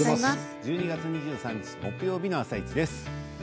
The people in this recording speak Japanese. １２月２３日、木曜日の「あさイチ」です。